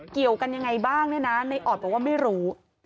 เกี่ยวกันยังไงบ้างเนี่ยนะในออดบอกว่าไม่รู้